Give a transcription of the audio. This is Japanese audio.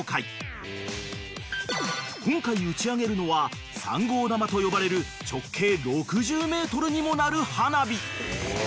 ［今回打ち上げるのは３号玉と呼ばれる直径６０ｍにもなる花火］